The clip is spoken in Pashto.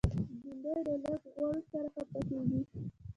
بېنډۍ د لږ غوړو سره ښه پخېږي